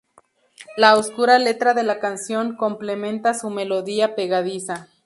La oscura letra de la canción complementa su melodía pegadiza.